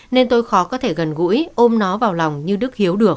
nên tôi khó có thể gần gũi ôm nó vào lòng như đức hiếu được